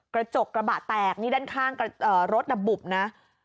กระจกกระบะแตกนี่ด้านข้างรถน่ะบุบนะ